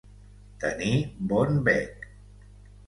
Tenir bon bec.